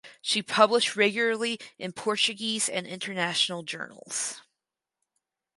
She published regularly in Portuguese and international journals.